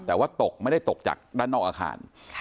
แต่ว่าตกไม่ได้ตกจากด้านนอกอาคาร